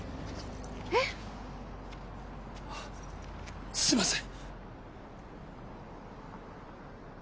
えっ⁉あっすみません！